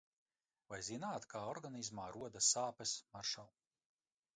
Vai zināt, kā organismā rodas sāpes, maršal?